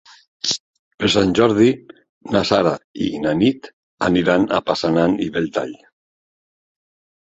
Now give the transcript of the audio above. Per Sant Jordi na Sara i na Nit aniran a Passanant i Belltall.